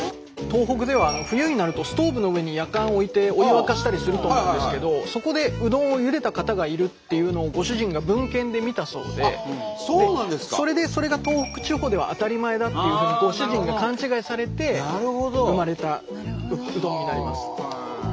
東北では冬になるとストーブの上にやかんを置いてお湯を沸かしたりすると思うんですけどそこでうどんをゆでた方がいるっていうのをご主人が文献で見たそうでそれでそれが東北地方では当たり前だっていうふうにご主人が勘違いされて生まれたうどんになります。